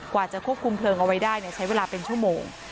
กว่าจะควบคุมเพลิงเอาไว้ได้ใช้เวลาเป็นชั่วโมง